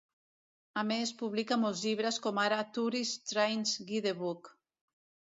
A més, publica molts llibres, com ara "Tourist Trains Guidebook".